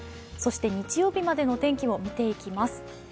そして日曜日までの天気を見ていきます。